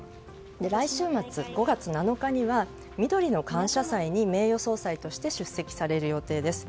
来週末５月７日にはみどりの感謝祭に名誉総裁として出席される予定です。